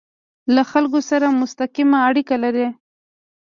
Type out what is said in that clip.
له خلکو سره مستقیمه اړیکه لري.